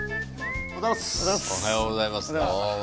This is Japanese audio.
おはようございますどうも。